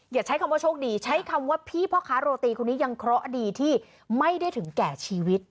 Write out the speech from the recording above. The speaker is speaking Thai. อย่าใช้คำว่าโชคดีใช้คำว่าพี่พ่อค้าโรตีคนนี้ยังเคราะห์ดีที่ไม่ได้ถึงแก่ชีวิต